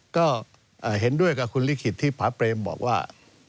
ก็เห็นด้วยกับคุณลิขิตที่พระเปรมบอกว่า